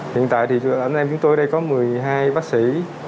hiện tại thì anh em chúng tôi ở đây có một mươi hai bác sĩ